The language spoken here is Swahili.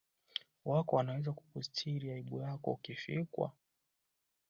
wako anaweza kukustiri aibu yako ukifikwa